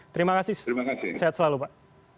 terima kasih sehat selalu pak